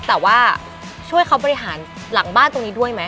แต่ว่าช่วยเขาบริหารหลังบ้านตรงนี้ด้วยไหม